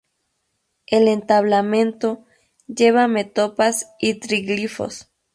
El entablamento lleva metopas y triglifos.